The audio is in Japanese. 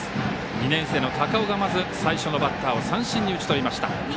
２年生の高尾がまず最初のバッターを三振に打ち取りました。